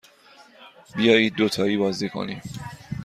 بیایید دوتایی بازی کنیم.